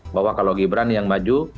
bahwa kalau gibran yang maju